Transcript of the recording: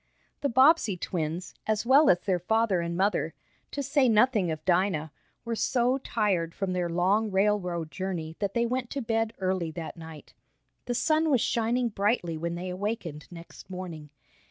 The Bobbsey twins, as well as their father and mother, to say nothing of Dinah, were so tired from their long railroad journey that they went to bed early that night. The sun was shining brightly when they awakened next morning.